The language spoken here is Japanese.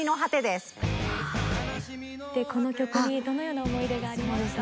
この曲にどのような思い出がありますか？